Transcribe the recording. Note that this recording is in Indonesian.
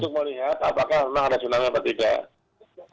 saya mau lihat apakah memang ada tsunami apa tidak